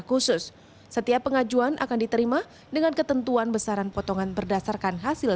khusus setiap pengajuan akan diterima dengan ketentuan besaran potongan berdasarkan hasil